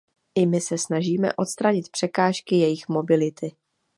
I my se snažíme odstranit překážky jejich mobility.